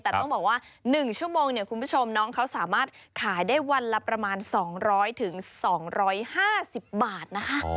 แต่ต้องบอกว่านึกชั่วโมงสามารถขายได้วันละประมาณ๒๐๐ถึง๒๕๐บาท